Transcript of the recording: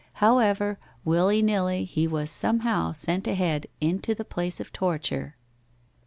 However, willy nilly, he was somehow sent ahead into the place of torture.